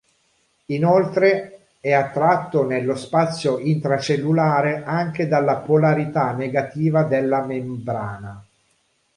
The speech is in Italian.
Inoltre è attratto nello spazio intracellulare anche dalla polarità negativa della membrana.